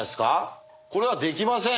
これはできません。